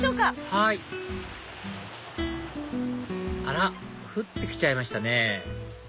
はいあら降ってきちゃいましたね